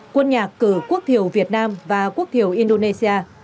quân nhạc cử quốc thiểu việt nam và quốc thiểu indonesia